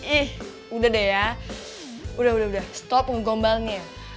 ih udah deh ya udah udah stop gombalnya